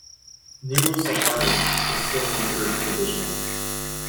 Nilo-Saharan is still considered provisional.